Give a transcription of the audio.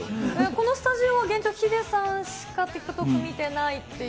このスタジオ、現状、ヒデさんしかＴｉｋＴｏｋ見てないという。